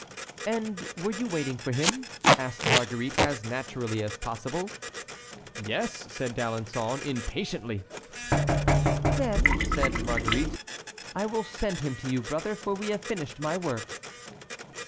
"And were you waiting for him?" asked Marguerite as naturally as possible. "Yes," said D'Alençon, impatiently. "Then," said Marguerite, "I will send him to you, brother, for we have finished my work."